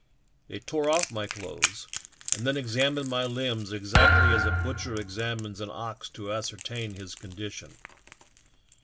They tore off my clothes and then examined my limbs exactly as a butcher examines an ox to ascertain his con dition.